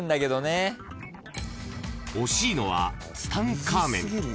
［惜しいのはツタンカーメン］